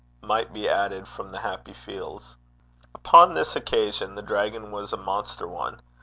might be added from the happy fields. Upon this occasion the dragon was a monster one.